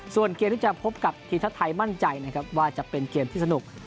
ส่วนเกมที่จะพบกับทีมทัศน์ไทยมั่นใจว่าจะเป็นเกมที่สนุก